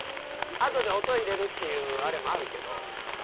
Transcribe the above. あとで音入れるっていうあれもあるけど。